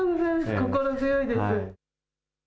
心強いです。